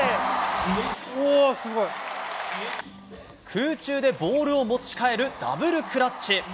空中でボールを持ちかえる、ダブルクラッチ。